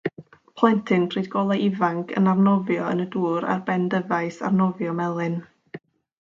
Plentyn pryd golau ifanc yn arnofio yn y dŵr ar ben dyfais arnofio melyn.